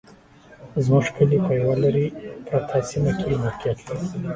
زموږ کلي په يوه لري پرته سيمه کي موقعيت لري